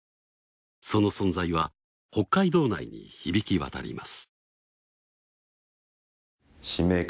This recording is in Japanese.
その存在は北海道内に響き渡ります。